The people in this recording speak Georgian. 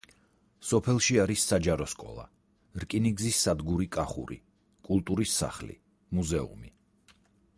სოფელში არის საჯარო სკოლა, რკინიგზის სადგური „კახური“, კულტურის სახლი, მუზეუმი.